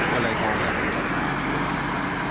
ก็เลยโทรเรียก